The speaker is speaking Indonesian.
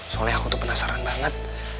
soalnya aku tuh penasaran banget